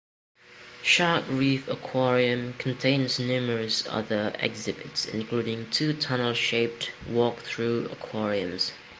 Shark Reef Aquarium contains numerous other exhibits, including two tunnel-shaped, walk-through aquariums.